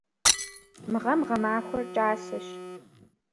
Мы гъэм гъэмахуэр кӏасэщ.